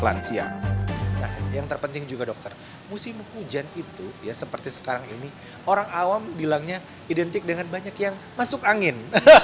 nah yang terpenting juga dokter musim hujan itu ya seperti sekarang ini orang awam bilangnya identik dengan banyak yang masuk angin